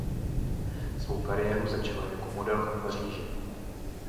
Svou kariéru začala jako modelka v Paříži.